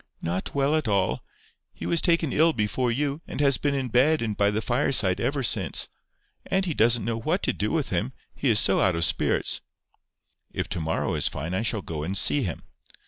"Not well at all. He was taken ill before you, and has been in bed and by the fireside ever since. Auntie doesn't know what to do with him, he is so out of spirits." "If to morrow is fine, I shall go and see him."